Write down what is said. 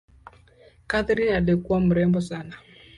Katherine alikuwa mrembo sana